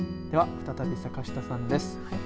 では、再び坂下さんです。